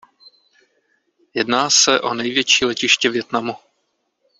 Jedná se o největší letiště Vietnamu.